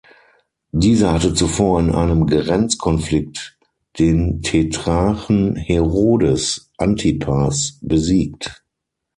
Dieser hatte zuvor in einem Grenzkonflikt den Tetrarchen Herodes Antipas besiegt.